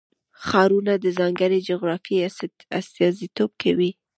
ښارونه د ځانګړې جغرافیې استازیتوب کوي.